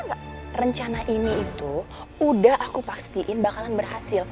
enggak rencana ini itu udah aku pastiin bakalan berhasil